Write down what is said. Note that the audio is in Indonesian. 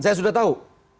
saya sudah tahu